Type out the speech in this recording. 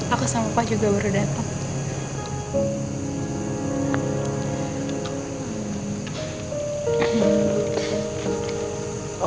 aku sama pak juga baru datang